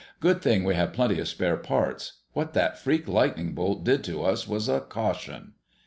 "Good thing we have plenty of spare parts. What that freak lightning bolt did to us was a caution!"